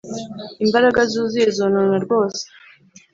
imbaraga zuzuye zonona rwose.